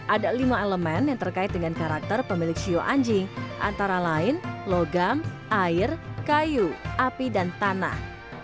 ada lima elemen yang terkait dengan karakter pemilik sio anjing antara lain logam air kayu api dan tanah